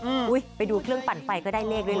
อุ้ยไปดูเครื่องปั่นไฟก็ได้เลขด้วยนะ